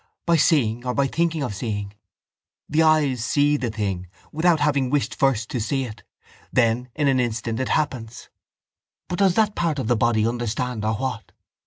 By seeing or by thinking of seeing. The eyes see the thing, without having wished first to see. Then in an instant it happens. But does that part of the body understand or what?